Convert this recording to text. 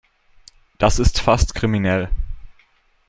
Das ist fast kriminell.